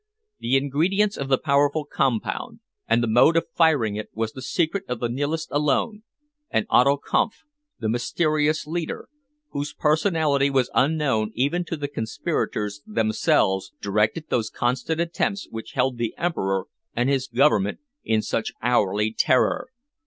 The ingredients of the powerful compound and the mode of firing it was the secret of the Nihilists alone and Otto Kampf, the mysterious leader, whose personality was unknown even to the conspirators themselves, directed those constant attempts which held the Emperor and his Government in such hourly terror.